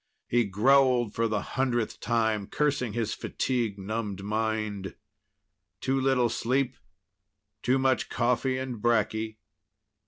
He growled for the hundredth time, cursing his fatigue numbed mind. Too little sleep, too much coffee and bracky....